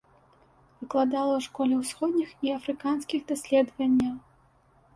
Выкладала ў школе ўсходніх і афрыканскіх даследаванняў.